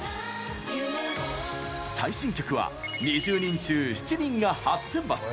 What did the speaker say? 最新曲は、２０人中７人が初選抜。